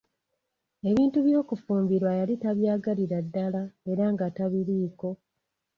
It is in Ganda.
Ebintu by'okufumbirwa yali tabyagalira ddala era nga tabiliiko.